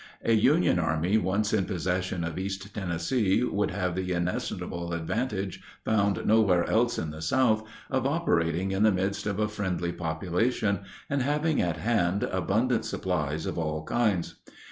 A Union army once in possession of east Tennessee would have the inestimable advantage, found nowhere else in the South, of operating in the midst of a friendly population, and having at hand abundant supplies of all kinds.